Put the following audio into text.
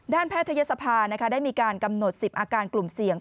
แพทยศภาได้มีการกำหนด๑๐อาการกลุ่มเสี่ยง